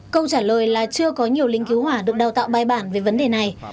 câu trả lời là chưa có nhiều lính cứu hỏa được đào tạo bài bản về vấn đề này